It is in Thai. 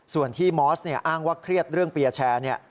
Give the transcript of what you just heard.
ส่วนที่มอสอ้างว่าเครียดเรื่องเปียร์แชร์เนี่ย